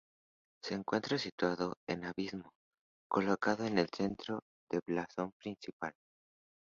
Se encuentra situado en "abismo", colocado en el centro del blasón principal.